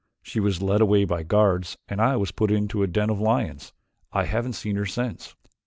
She was led away by guards and I was put into a den of lions. I haven't seen her since."